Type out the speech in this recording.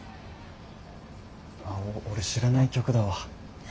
あ俺知らない曲だわ。